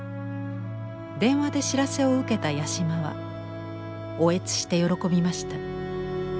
電話で知らせを受けた八島は嗚咽して喜びました。